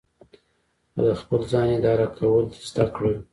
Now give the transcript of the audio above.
که د خپل ځان اداره کول دې زده کړل.